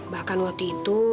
bahkan waktu kita berdua